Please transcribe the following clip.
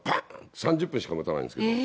３０分しか持たないんですけど。